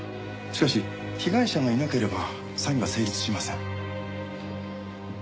しかし被害者がいなければ詐欺は成立しません。